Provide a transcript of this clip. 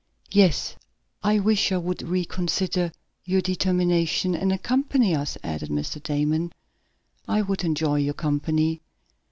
"Yes, I wish you would reconsider your determination, and accompany us," added Mr. Damon. "I would enjoy your company."